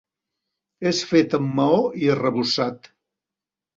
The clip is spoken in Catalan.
És fet amb maó i arrebossat.